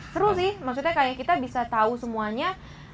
seru sih maksudnya kayak kita bisa tahu semuanya